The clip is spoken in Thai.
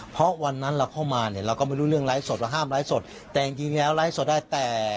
เพราะวันนั้นเราเข้ามาเนี่ยเราก็ไม่รู้เรื่องไลฟ์สดเราห้ามไลฟ์สดแต่จริงจริงแล้วไลฟ์สดได้แต่